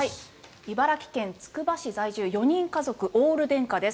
茨城県つくば市在住４人家族、オール電化です。